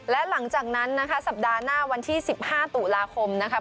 และหลังจากนั้นนะคะสัปดาห์หน้าวันที่๑๕ตุลาคมนะครับ